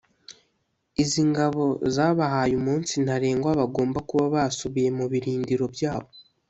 Izi ngabo zabahaye umunsi ntarengwa bagombaga kuba basubiye mu birindiro byabo